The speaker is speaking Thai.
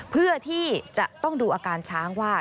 เพื่อที่จะต้องดูอาการช้างว่า